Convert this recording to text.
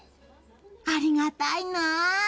ありがたいなあ。